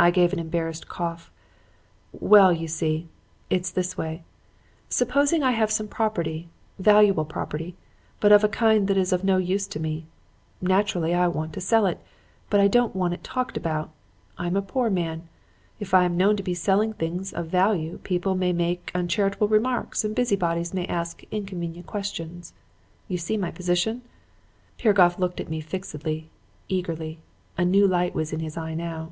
"I gave an embarrassed cough. 'Well, you see,' I said, 'it's this way. Supposing I have some property valuable property, but of a kind that is of no use to me. Naturally I want to sell it. But I don't want it talked about. I am a poor man. If I am known to be selling things of value, people may make uncharitable remarks and busy bodies may ask inconvenient questions. You see my position?' Piragoff looked at me fixedly, eagerly. A new light was in his eye now.